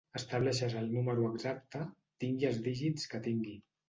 Estableixes el número exacte, tingui els dígits que tingui.